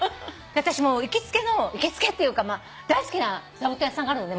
私行きつけの行きつけっていうか大好きな座布団屋さんがあるのね。